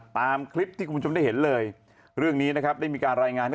ตามคลิปที่คุณผู้ชมได้เห็นเลยเรื่องนี้นะครับได้มีการรายงานให้